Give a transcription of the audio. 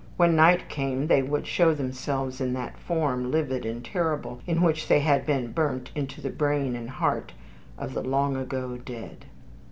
When night came they would show themselves in that form, livid and terrible, in which they had been burnt into the brain and heart of the long ago dead.